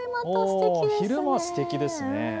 昼間、すてきですね。